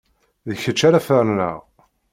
D kečč ara ferneɣ!